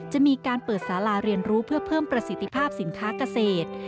จะมีการเปิดสาราเรียนรู้เพื่อเพิ่มประสิทธิภาพสินค้าเกษตร